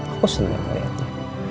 aku senang melihatnya